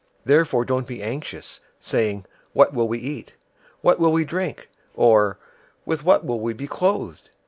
006:031 "Therefore don't be anxious, saying, 'What will we eat?', 'What will we drink?' or, 'With what will we be clothed?'